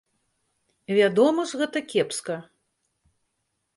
Вядома ж, гэта кепска!